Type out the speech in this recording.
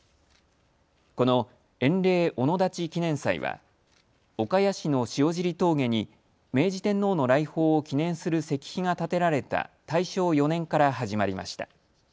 この塩嶺御野立記念祭は岡谷市の塩尻峠に明治天皇の来訪を記念する石碑が建てられた大正４年から始まりました。